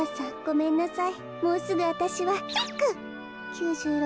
９６。